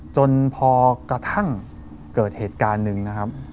จนพอกระทั่งเกิดเหตุการณ์หนึ่งนะครับ